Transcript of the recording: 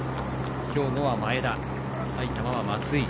兵庫は前田埼玉は松井。